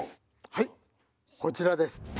はいこちらです。